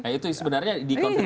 nah itu sebenarnya dikonfirmasi